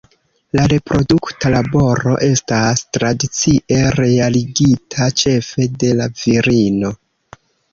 La reprodukta laboro estas tradicie realigita ĉefe de la virino.